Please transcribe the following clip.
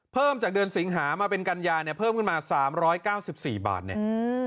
เพิ่มจากเดือนสิงหามาเป็นกัญญาเนี่ยเพิ่มขึ้นมา๓๙๔บาทเนี่ย